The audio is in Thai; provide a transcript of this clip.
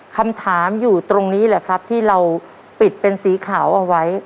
คำถามอยู่ตรงนี้แหละครับที่เราปิดเป็นสีขาวเอาไว้